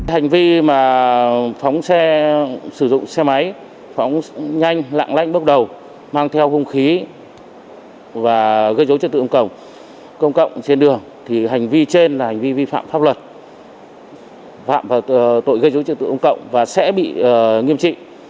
hành vi mà phóng xe sử dụng xe máy phóng nhanh lạng lánh bước đầu mang theo không khí và gây dối trật tự công cộng trên đường thì hành vi trên là hành vi vi phạm pháp luật phạm vào tội gây dối trật tự công cộng và sẽ bị nghiêm trị